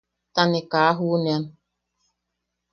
Ta ne kaa juʼunean.